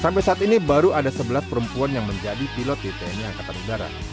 sampai saat ini baru ada sebelas perempuan yang menjadi pilot di tni angkatan udara